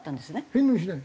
返納しない。